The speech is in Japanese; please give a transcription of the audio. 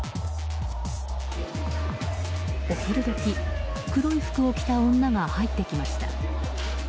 お昼時、黒い服を着た女が入ってきました。